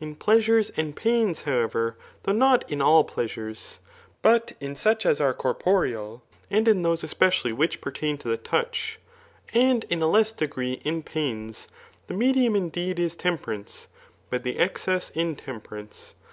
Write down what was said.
In pleasures and pains, however, though not in all pleasure^ [t>ut in such as are corporeal, and in those especially w¥iich pertain to the touch,] and in a less degree in pains, llhe medium indeed is temperance, but the excess intem perance.